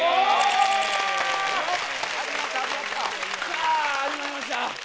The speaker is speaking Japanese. さぁ始まりました。